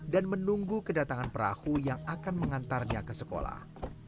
dan menunggu kedatangan perahu yang akan mengantarnya ke sekolah